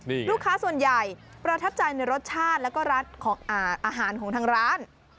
นี่ลูกค้าส่วนใหญ่ประทับใจในรสชาติแล้วก็ร้านของอาหารของทางร้าน